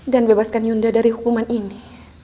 bebaskan yunda dari hukuman ini